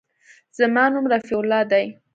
زما نوم رفيع الله دى.